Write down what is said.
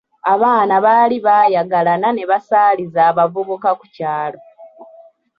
Abaana bali baayagalana ne basaaliza abavubuka ku kyalo.